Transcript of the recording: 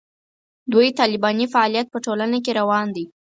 دوی طالباني فعالیت په ټولنه کې روان دی.